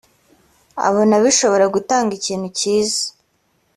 abona bishobora gutanga ikintu cyiza